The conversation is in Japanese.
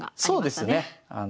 そうですね。